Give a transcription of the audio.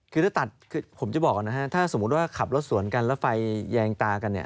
คือถ้าตัดคือผมจะบอกนะฮะถ้าสมมุติว่าขับรถสวนกันแล้วไฟแยงตากันเนี่ย